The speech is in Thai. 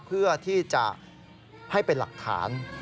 เพื่อที่จะให้เป็นหลักฐาน